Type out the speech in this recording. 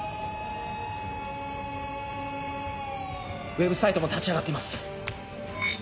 ウェブサイトも立ち上がっています。